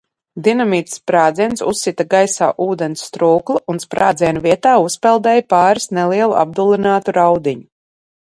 Dinamīta sprādziens uzsita gaisā ūdens strūklu un sprādziena vietā uzpeldēja pāris nelielu apdullinātu raudiņu.